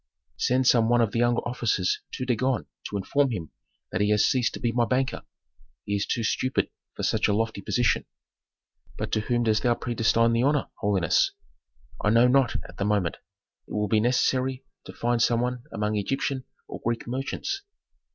"Send some one of the younger officers to Dagon to inform him that he has ceased to be my banker. He is too stupid for such a lofty position." "But to whom dost thou predestine the honor, holiness?" "I know not at the moment. It will be necessary to find some one among Egyptian or Greek merchants.